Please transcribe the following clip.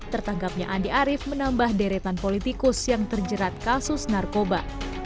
tertangkapnya andi arief menambah deretan politikus yang terjerat kasus narkoba